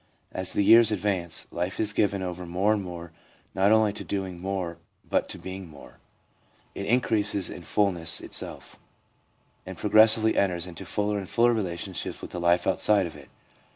As the years advance, life is given over more and more not only to doing more but to being more ; it increases in fulness itself, and progressively enters into fuller and fuller relationship with the life outside of it.